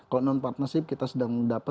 kalau non partnership kita sedang dapat